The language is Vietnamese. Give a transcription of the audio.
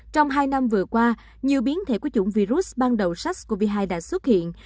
trong hai năm vừa qua nhiều biến thể của chủng virus ban đầu sars cov hai đã xuất hiện